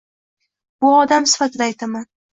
Bu odam sifatida aytaman.